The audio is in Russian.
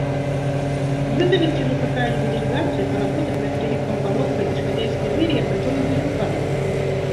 Вызовется ли какая-либо делегация поработать над перекомпоновкой исходя из критериев, которые были указаны?